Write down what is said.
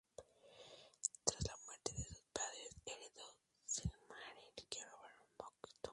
Tras la muerte de sus padres, heredó el Silmaril que robaron a Morgoth.